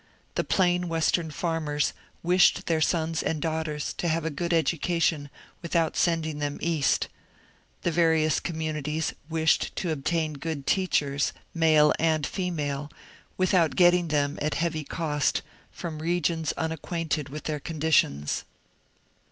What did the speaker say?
The plain western farmers wished their sons and daughters to have a good education without sending them East ; the various communities wished to obtain good teachers, male and female, without getting them at heavy cost from regions un acquainted with their conditions.